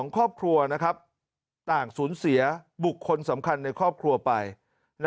ครอบครัวต่างสูญเสียบุคคลสำคัญในครอบครัวไป